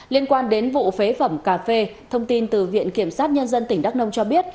liên quan đến vụ phế phẩm cà phê thông tin từ viện kiểm sát nhân dân tỉnh đắk nông cho biết